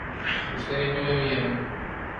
ustedes no bebieron